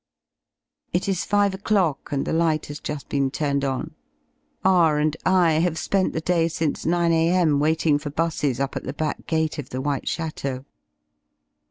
It is 5 o'clock and the light has j uft been turned on. R and I have spent? the day since 9 a.m. waiting for 'buses up at the back gate of the White Chateau.